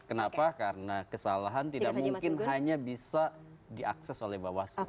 kenapa karena kesalahan tidak mungkin hanya bisa diakses oleh bawaslu